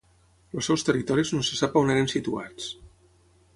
Els seus territoris no se sap on eren situats.